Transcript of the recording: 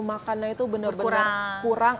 makannya itu bener bener kurang